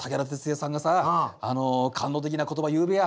あの感動的な言葉言うべや。